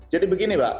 jadi begini mbak